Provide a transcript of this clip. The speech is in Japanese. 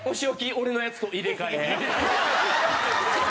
俺のやつと入れ替え。